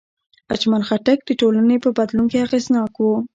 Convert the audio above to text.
اجمل خټک د ټولنې په بدلون کې اغېزناک و.